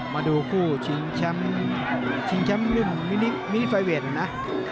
มาดูคู่ชิงแชมป์ชิงแชมป์รุ่นมินิมิไฟเวทนะ